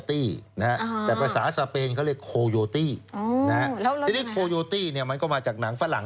แต่ภาษาสเปนเขาเรียกนะฮะทีนี้เนี่ยมันก็มาจากหนังฝรั่ง